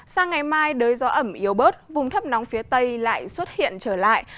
sang ngày mai đới gió ẩm yếu bớt vùng thấp nóng phía tây lại xuất hiện trở lại